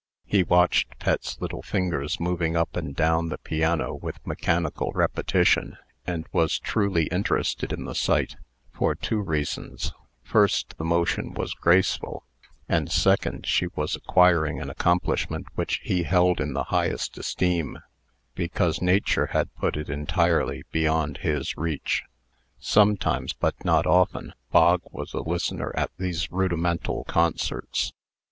He watched Pet's little fingers moving up and down the piano with mechanical repetition, and was truly interested in the sight for two reasons: first, the motion was graceful; and second, she was acquiring an accomplishment which he held in the highest esteem, because Nature had put it entirely beyond his reach. Sometimes, but not often, Bog was a listener at these rudimental concerts.